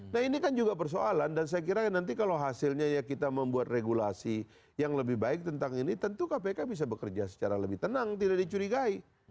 nah ini kan juga persoalan dan saya kira nanti kalau hasilnya ya kita membuat regulasi yang lebih baik tentang ini tentu kpk bisa bekerja secara lebih tenang tidak dicurigai